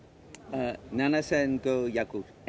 ７５００円。